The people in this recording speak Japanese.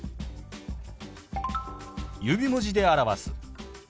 指文字で表す。